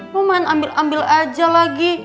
lo main ambil ambil aja lagi